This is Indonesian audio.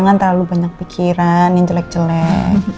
jangan terlalu banyak pikiran yang jelek jelek